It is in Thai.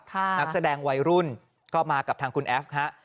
นักแสดงวัยรุ่นก็มากับทางคุณแอฟฮะ